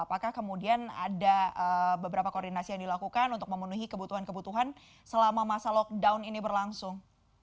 apakah kemudian ada beberapa koordinasi yang dilakukan untuk memenuhi kebutuhan kebutuhan selama masa lockdown ini berlangsung